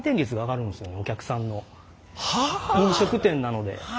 飲食店なので。